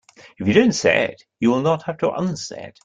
If you don't say it you will not have to unsay it.